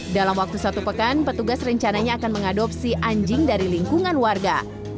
dalam waktu satu pekan petugas rencananya akan mengadopsi anjing dari lingkungan warga